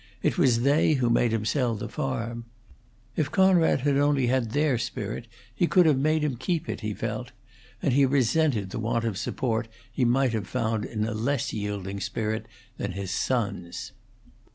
It was they who made him sell the farm. If Conrad had only had their spirit he could have made him keep it, he felt; and he resented the want of support he might have found in a less yielding spirit than his son's.